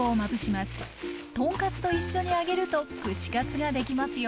豚カツと一緒に揚げると串カツができますよ。